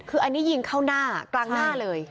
คืออันนี้ยิงเข้าหน้ากลางหน้าเลย